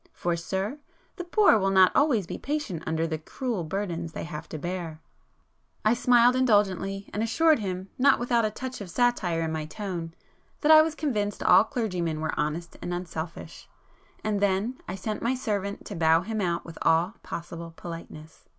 For, sir, the poor will not always be patient under the cruel burdens they have to bear." I smiled indulgently, and assured him, not without a touch of satire in my tone, that I was convinced all clergymen were honest and unselfish,—and then I sent my servant to bow him out with all possible politeness.